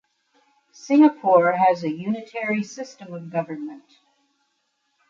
Singapore has a unitary system of government.